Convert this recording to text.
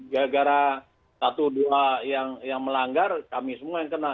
gara gara satu dua yang melanggar kami semua yang kena